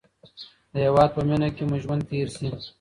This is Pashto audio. د هېواد په مینه کې مو ژوند تېر شي.